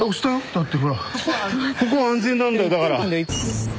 だってほらここ安全なんだよだから。